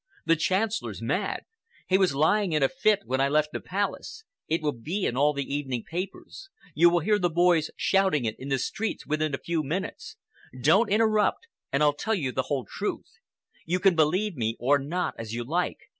The Chancellor's mad. He was lying in a fit when I left the Palace. It will be in all the evening papers. You will hear the boys shouting it in the streets within a few minutes. Don't interrupt and I'll tell you the whole truth. You can believe me or not, as you like.